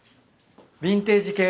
ビンテージ系。